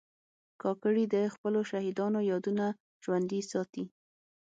کاکړي د خپلو شهیدانو یادونه ژوندي ساتي.